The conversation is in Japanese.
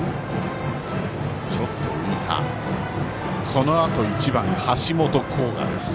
このあと１番、橋本航河です。